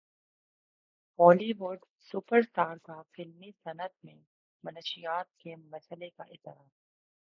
بولی would superstar کا فلمی صنعت میں منشیات کے مسئلے کا اعتراف